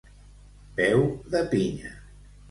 Peu de pinya.